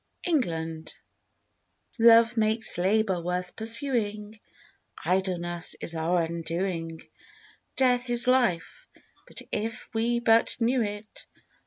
L' VOI Love makes labor worth pursuing Idleness is our undoing, Death is life, if we but knew it.